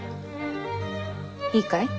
いいかい？